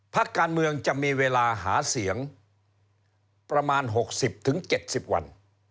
พักการเมืองจะมีเวลาหาเสียงประมาณ๖๐๗๐วัน